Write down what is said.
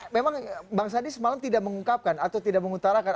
memang bang sandi semalam tidak mengungkapkan atau tidak mengutarakan